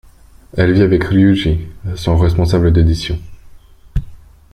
Elle vit avec Ryûji, son responsable d'édition.